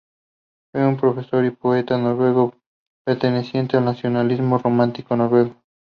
Fue un profesor y poeta noruego, perteneciente al nacionalismo romántico noruego.